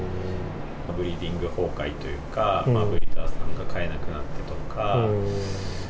ブリーディング崩壊というか、ブリーダーさんが飼えなくなってとか。